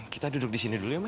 kita duduk di sini dulu ya mas